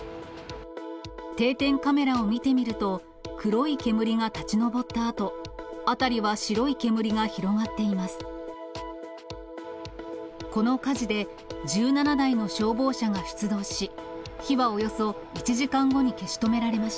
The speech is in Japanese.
定点カメラを見てみると、黒い煙が立ち上ったあと、辺りは白い煙が広がっています。